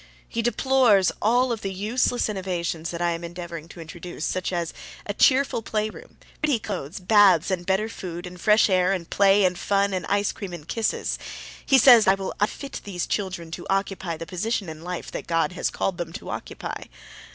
He deplores all of the useless innovations that I am endeavoring to introduce, such as a cheerful playroom, prettier clothes, baths, and better food and fresh air and play and fun and ice cream and kisses. He says that I will unfit these children to occupy the position in life that God has called them to occupy.